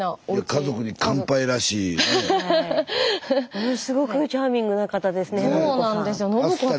ものすごくチャーミングな方ですね信子さん。